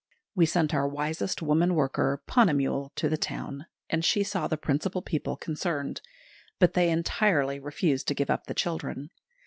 We sent our wisest woman worker, Ponnamal, to the town, and she saw the principal people concerned; but they entirely refused to give up the children.